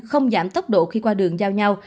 không giảm tốc độ khi qua đường giao nhau